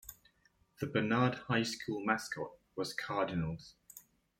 The Barnard High School mascot was Cardinals.